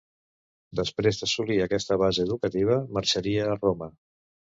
Després d'assolir aquesta base educativa, marxaria a Roma.